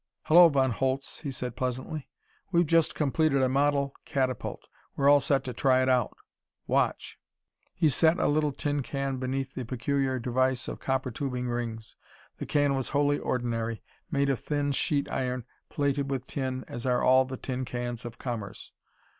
"Hullo, Von Holtz," he said pleasantly. "We've just completed a model catapult. We're all set to try it out. Watch!" He set a little tin can beneath the peculiar device of copper tubing rings. The can was wholly ordinary, made of thin sheet iron plated with tin as are all the tin cans of commerce.